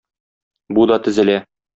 Бу да тезелә.